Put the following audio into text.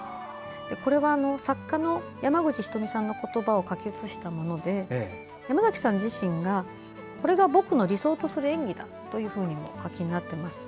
これは作家の山口瞳さんの言葉を書き写したもので山崎さん自身がこれが僕の理想とする演技だというふうにもお書きになっています。